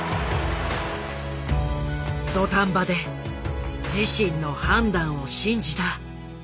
土壇場で自身の判断を信じた立川。